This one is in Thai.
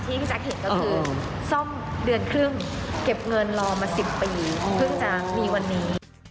พี่แจ๊คเห็นก็คือซ่อมเดือนครึ่งเก็บเงินรอมา๑๐ปีเพิ่งจะมีวันนี้